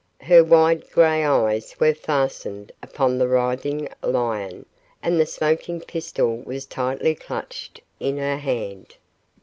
Her wide gray eyes were fastened upon the writhing lion and the smoking pistol was tightly clutched in her hand.